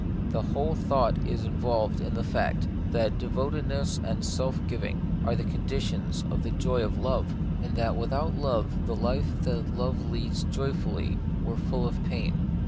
The whole thought is involved in the fact, that devotedness and self giving are the con ditions of the joy of love ; and that without love the life that love leads joyfully were full of pain.